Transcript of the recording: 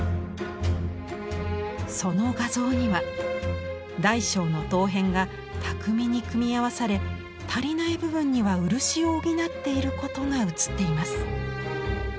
その画像には大小の陶片が巧みに組み合わされ足りない部分には漆を補っていることが写っています。